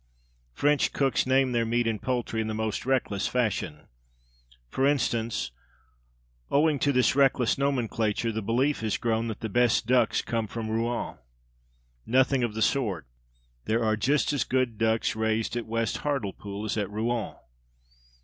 French cooks name their meat and poultry in the most reckless fashion. For instance, owing to this reckless nomenclature the belief has grown that the best ducks come from Rouen. Nothing of the sort. There are just as good ducks raised at West Hartlepool as at Rouen.